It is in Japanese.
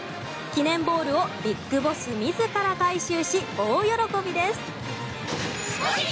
記念ボールをＢＩＧＢＯＳＳ自ら回収し大喜びです。